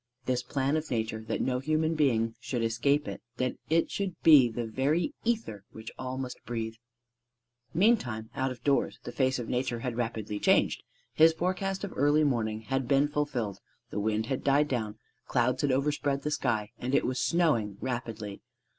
This plan of Nature that no human being should escape it, that it should be the very ether which all must breathe. Meantime out of doors the face of Nature had rapidly changed; his forecast of early morning had been fulfilled: the wind had died down, clouds had overspread the sky, and it was snowing rapidly.